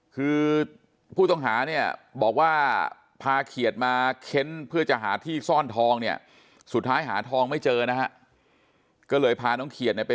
คือผู้ต้องหาเนี่ยบอกว่าพาเขียดมาเค้นเพื่อจะหาที่ซ่อนทองเนี่ยสุดท้ายหาทองไม่เจอนะฮะ